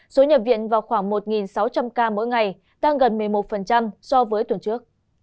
số nhập viện vào khoảng một sáu trăm linh ca mỗi ngày tăng gần một mươi một so với tuần trước